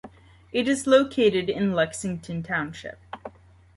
It is located in Lexington Township.